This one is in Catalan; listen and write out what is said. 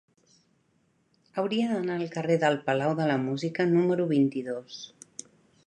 Hauria d'anar al carrer del Palau de la Música número vint-i-dos.